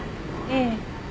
ええ。